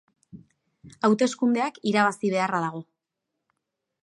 Hauteskundeak irabazi beharra dago.